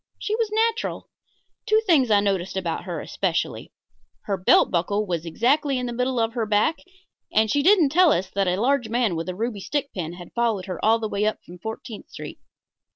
She was natural. Two things I noticed about her especially. Her belt buckle was exactly in the middle of her back, and she didn't tell us that a large man with a ruby stick pin had followed her up all the way from Fourteenth Street.